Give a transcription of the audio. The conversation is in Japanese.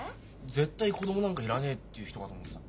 絶対子供なんか要らねえっていう人かと思ってた。